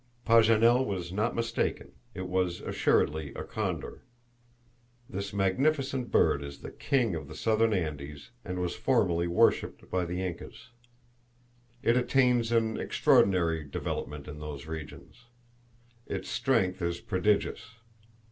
Paganel was not mistaken, it was assuredly a condor. This magnificent bird is the king of the Southern Andes, and was formerly worshiped by the Incas. It attains an extraordinary development in those regions. Its strength is prodigious.